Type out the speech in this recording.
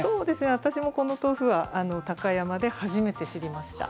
私もこの豆腐は高山で初めて知りました。